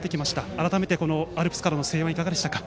改めてアルプスからの声援はいかがでしたか？